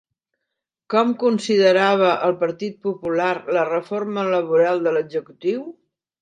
Com considerava el Partit Popular la Reforma laboral de l'executiu?